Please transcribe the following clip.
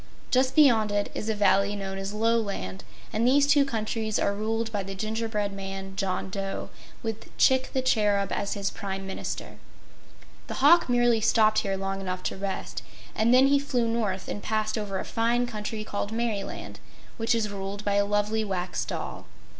Just beyond it is a valley known as Loland, and these two countries are ruled by the Gingerbread Man, John Dough, with Chick the Cherub as his Prime Minister. The hawk merely stopped here long enough to rest, and then he flew north and passed over a fine country called Merryland, which is ruled by a lovely Wax Doll.